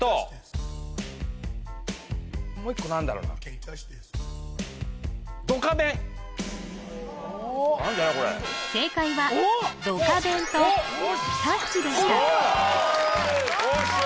もう一個何だろうな正解は「ドカベン」と「タッチ」でした